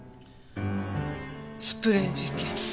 スプレー事件。